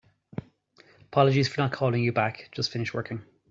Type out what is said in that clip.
Apologies for not calling you back. Just finished working.